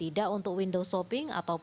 tidak untuk window shopping ataupun gaya hidup